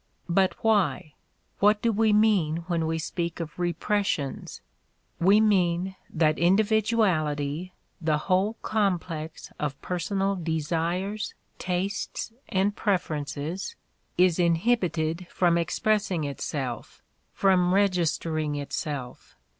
But why? What do we mean when we speak of re pressions? We mean that individuality, the whole com plex of personal desires, tastes and preferences, is in hibited from expressing itself, from registering itself.